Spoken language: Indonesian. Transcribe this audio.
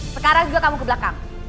sekarang juga kamu ke belakang